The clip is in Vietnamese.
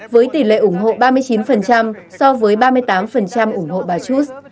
với tỷ lệ ủng hộ ba mươi chín so với ba mươi tám ủng hộ bà trust